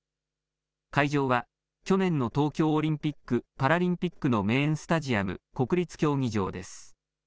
会場は去年の東京オリンピック・パラリンピックのメインスタジアム、国立競技場です。